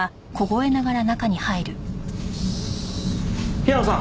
平野さん。